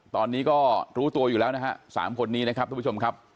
ตอนนี้ก็รู้ตัวอยู่แล้วนะฮะ๓คนนี้นะครับทุกผู้ชมครับ